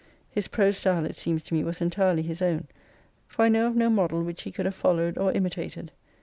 His prose style, it seems to me, was entirely his own ; for I know of no model which he could have followed or imitated.